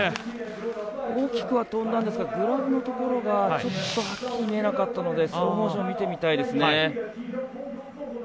大きくは飛んだんですがグラブのところがちょっとはっきり見えなかったのでスローモーション見てみたいですね。